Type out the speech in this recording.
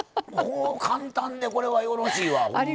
簡単でこれはよろしいわほんまに。